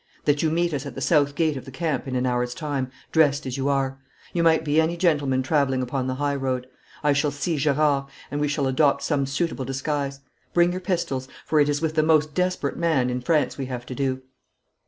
'That you meet us at the south gate of the camp in an hour's time dressed as you are. You might be any gentleman travelling upon the high road. I shall see Gerard, and we shall adopt some suitable disguise. Bring your pistols, for it is with the most desperate man in France we have to do.